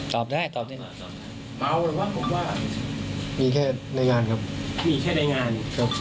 ตอบได้ตอบแน่นอนเมาหรือว่าผมว่ามีแค่ในงานครับมีแค่ในงานครับ